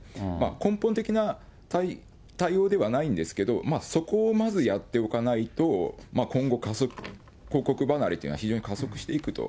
根本的な対応ではないんですけど、そこをまずやっておかないと、今後、広告離れというのは非常に加速していくと。